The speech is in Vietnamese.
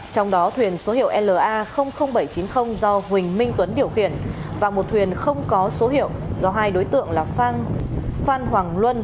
trong đó thuyền số hiệu la bảy trăm chín mươi do huỳnh minh tuấn điều khiển và một thuyền không có số hiệu do hai đối tượng là phan hoàng luân